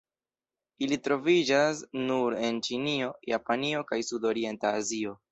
Ili troviĝas nur en Ĉinio, Japanio, kaj Sudorienta Azio.